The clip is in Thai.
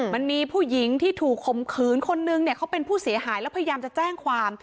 มันมีผู้หญิงที่ถูกข่มขืนคนนึงเนี่ยเขาเป็นผู้เสียหายแล้วพยายามจะแจ้งความ